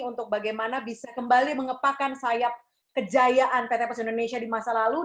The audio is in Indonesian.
untuk bagaimana bisa kembali mengepakkan sayap kejayaan pt pos indonesia di masa lalu